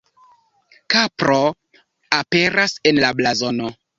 Kapro aperas en la blazono.